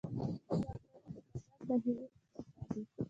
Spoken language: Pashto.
زردآلو د بدن داخلي روغتیا ساتي.